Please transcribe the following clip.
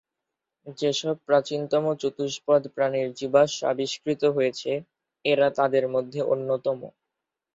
যেসব প্রাচীনতম চতুষ্পদ প্রাণীর জীবাশ্ম আবিষ্কৃত হয়েছে, এরা তাদের মধ্যে অন্যতম।